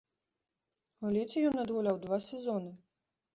У эліце ён адгуляў два сезоны.